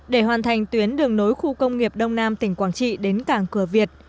để hoàn thành tuyến đường nối khu công nghiệp đông nam tỉnh quảng trị đến cảng cửa việt